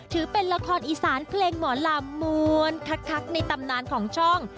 ถือเป็นละครอีสานเพลงหมอลำม้วนคักในตำนานของช่อง